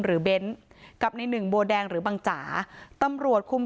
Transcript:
หรือเบนต์กับนิ่หนึ่งบัวแดงหรือบังจาตำรวจคุม